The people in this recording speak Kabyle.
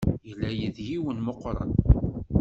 Yella d yiwen meqqren.